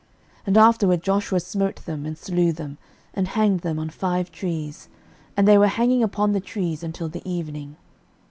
06:010:026 And afterward Joshua smote them, and slew them, and hanged them on five trees: and they were hanging upon the trees until the evening.